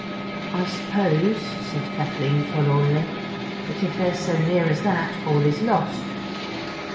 "I suppose," said Kathleen forlornly, "that if they're so near as that all is lost."